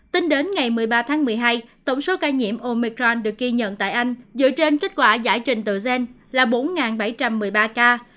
tính đến ngày một mươi ba tháng một mươi hai tổng số ca nhiễm omicron được ghi nhận tại anh dựa trên kết quả giải trình tự gen là bốn bảy trăm một mươi ba ca